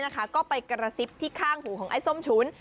ก็ไปกระซิบที่ข้างหูของไอ้ส้มฉุน